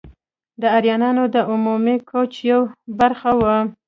د آریایانو د عمومي کوچ یوه برخه وه.